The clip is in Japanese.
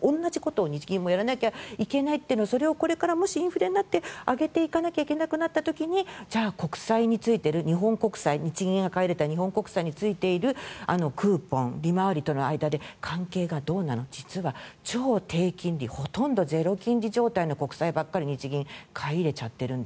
同じことを日銀もやらないきゃいけないのをこれからインフレになって上げていかなきゃいけなくなった時に国債についている日本国債、日銀が買い入れた国債についているクーポン、利回りとの間で関係がどうなの実は超低金利ほとんどゼロ金利状態の国債を買い入れてしまっている。